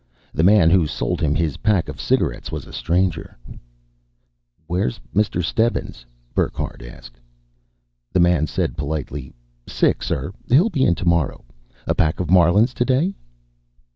The man who sold him his pack of cigarettes was a stranger. "Where's Mr. Stebbins?" Burckhardt asked. The man said politely, "Sick, sir. He'll be in tomorrow. A pack of Marlins today?"